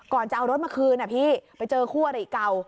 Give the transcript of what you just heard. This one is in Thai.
ก่อนจะเอารถมาคืนพี่ไปเจอคู่อริเก่า